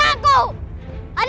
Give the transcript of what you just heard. hadapi aku dulu